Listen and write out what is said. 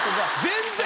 全然！